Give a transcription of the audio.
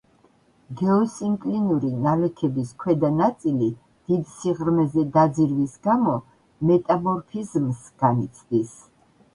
გეოსინკლინური ნალექების ქვედა ნაწილი დიდ სიღრმეზე დაძირვის გამო მეტამორფიზმს განიცდის.